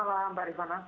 selamat malam pak rizwan